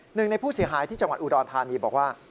หนึ่งในผู้เสียหายที่จังหวัดอุดรธานีบอกว่า